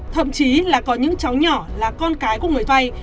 thậm chí là có những cháu nhỏ là con cái của người vay